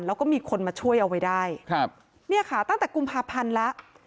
แล้วก็มีคนมาช่วยเอาไว้ได้ครับเนี่ยค่ะตั้งแต่กุมภาพันธ์แล้ว